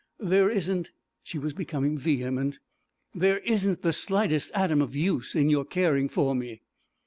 There isn't' (she was becoming vehement), 'there isn't the slightest atom of use in your caring for me.'